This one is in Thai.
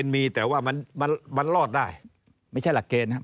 มีแต่ว่ามันรอดได้ไม่ใช่หลักเกณฑ์ครับ